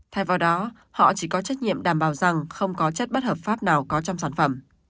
thay vào đó họ chỉ có trách nhiệm đảm bảo rằng không có chất bất hợp pháp nào có trong sản phẩm